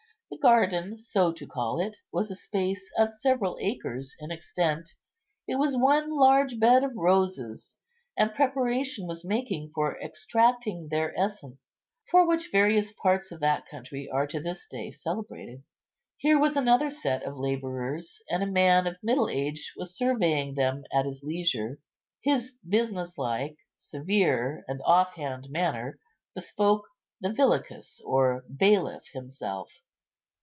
The garden, so to call it, was a space of several acres in extent; it was one large bed of roses, and preparation was making for extracting their essence, for which various parts of that country are to this day celebrated. Here was another set of labourers, and a man of middle age was surveying them at his leisure. His business like, severe, and off hand manner bespoke the villicus or bailiff himself.